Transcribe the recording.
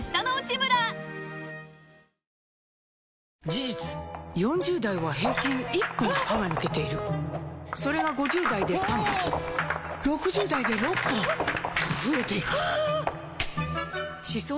事実４０代は平均１本歯が抜けているそれが５０代で３本６０代で６本と増えていく歯槽